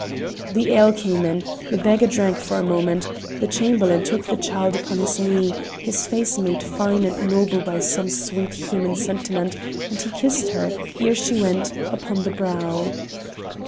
The ale came in, the beggar drank for a moment, the Chamberlain took the child upon his knee, his face made fine and noble by some sweet human sentiment, and he kissed her, ere she went, upon the brow.